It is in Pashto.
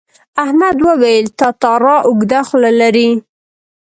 احمد وویل تتارا اوږده خوله لري.